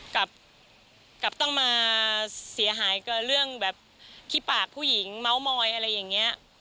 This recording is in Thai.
กลับต้องมาเสียหายกับเรื่องแบบขี้ปากผู้หญิงเมาส์มอยอะไรอย่างนี้